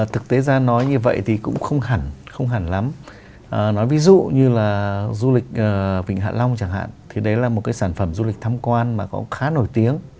thực tế ra nói như vậy thì cũng không hẳn không hẳn lắm nói ví dụ như là du lịch vịnh hạ long chẳng hạn thì đấy là một cái sản phẩm du lịch tham quan mà cũng khá nổi tiếng